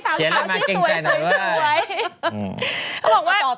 เรียนต่อ